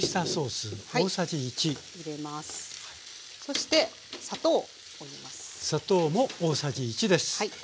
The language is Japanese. そして砂糖を入れます。